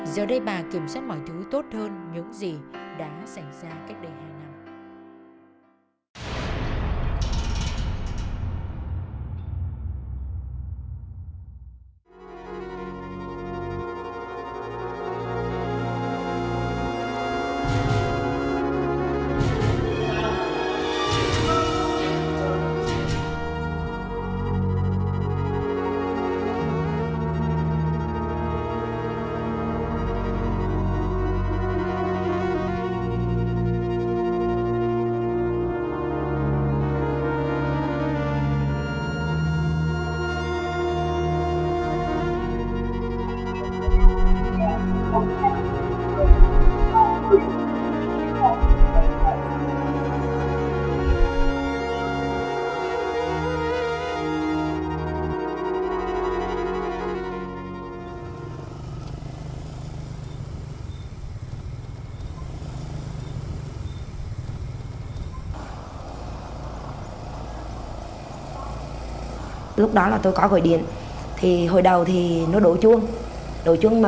giờ đây bà kiểm soát mọi thứ tốt hơn những gì đã xảy ra cách đây hai năm